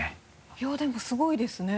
いやでもすごいですね